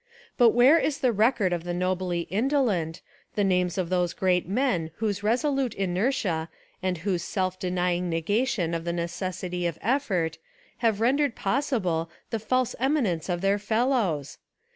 But where is the record of the nobly indolent, the names of those great men whose resolute inertia and whose self denying negation of the necessity of effort have rendered possible the false emi nence of their fellows?